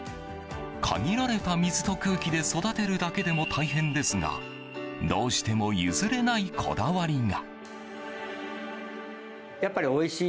限られた水と空気で育てるだけでも大変ですがどうしても譲れないこだわりが。